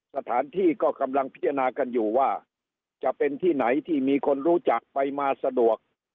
สถานที่ก็กำลังพิจารณากันอยู่ว่าจะเป็นที่ไหนที่มีคนรู้จักไปมาสะดวก